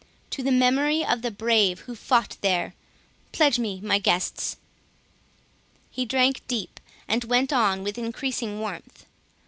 To the memory of the brave who fought there!—Pledge me, my guests." He drank deep, and went on with increasing warmth.